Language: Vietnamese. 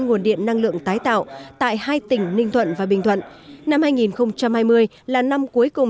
nguồn điện năng lượng tái tạo tại hai tỉnh ninh thuận và bình thuận năm hai nghìn hai mươi là năm cuối cùng